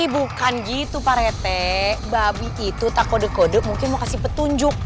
bukan gitu pak rete babi itu tak kode kode mungkin mau kasih petunjuk